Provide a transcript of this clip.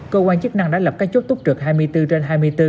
cơ quan chức năng đã lập các chốt túc trực hai mươi bốn trên hai mươi bốn